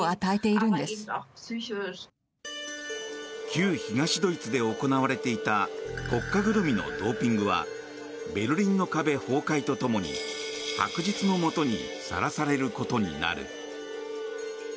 旧東ドイツで行われていた国家ぐるみのドーピングはベルリンの壁崩壊とともに白日のもとにさらされることになる。